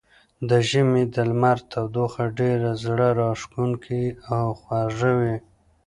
د ژمي د لمر تودوخه ډېره زړه راښکونکې او خوږه وي.